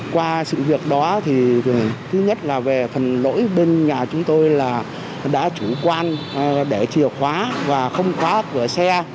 qua sự việc đó thì thứ nhất là về phần lỗi bên nhà chúng tôi là đã chủ quan để chìa khóa và không khóa cửa xe